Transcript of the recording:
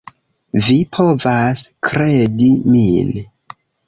Vi povas kredi min.